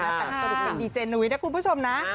แต่สดุ้งมันดีเจนวิทย์นะคุณผู้ชมนะ